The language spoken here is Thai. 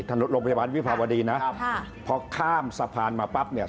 ถนนโรงพยาบาลวิภาวดีนะครับค่ะพอข้ามสะพานมาปั๊บเนี่ย